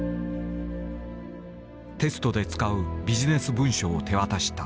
テストで使うビジネス文書を手渡した。